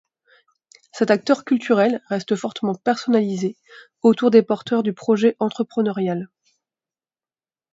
Cet acteur culturel reste fortement personnalisé autour des porteurs du projet entrepreneurial.